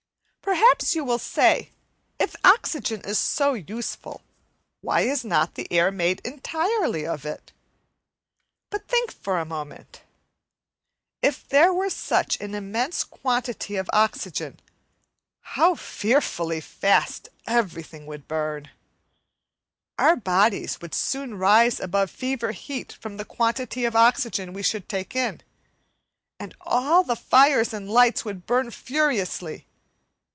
Perhaps you will say, If oxygen is so useful, why is not the air made entirely of it? But think for a moment. If there was such an immense quantity of oxygen, how fearfully fast everything would burn! Our bodies would soon rise above fever heat from the quantity of oxygen we should take in, and all fires and lights would burn furiously.